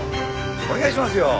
お願いしますよ。